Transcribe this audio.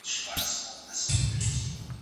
تاسو د علم په تعریفونو کې بدلون مه راولئ.